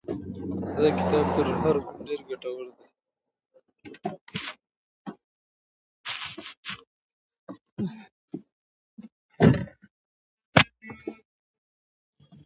دا کتاب تر هغه بل ډېر ګټور معلومات لري.